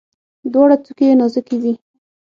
دواړه څوکي یې نازکې وي.